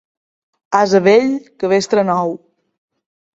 Ase vell, cabestre nou.